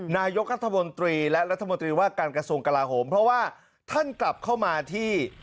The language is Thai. นายกรัฐมนตรีและรัฐมนตรีว่าการกระทรวงกลาโหมเพราะว่าท่านกลับเข้ามาที่